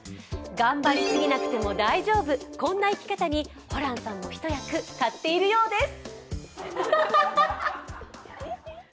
頑張りすぎなくても大丈夫、こんな生き方に、ホランさんも一役買っているようです。